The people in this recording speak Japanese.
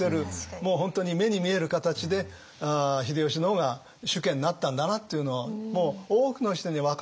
もう本当に目に見える形で秀吉の方が主家になったんだなっていうのをもう多くの人に分からせる